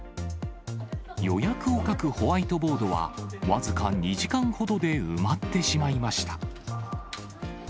予約を書くホワイトボードは、僅か２時間ほどで埋まってしまいました。